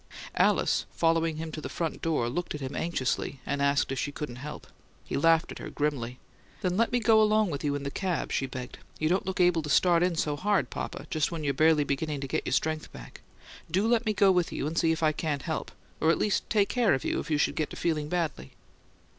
Alice, following him to the front door, looked at him anxiously and asked if she couldn't help. He laughed at her grimly. "Then let me go along with you in the cab," she begged. "You don't look able to start in so hard, papa, just when you're barely beginning to get your strength back. Do let me go with you and see if I can't help or at least take care of you if you should get to feeling badly."